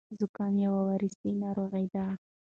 زکام یو ویروسي ناروغي ده.